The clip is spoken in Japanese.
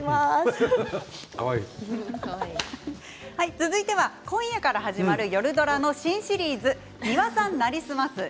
続いては今夜から始まる夜ドラの新シリーズ「ミワさんなりすます」。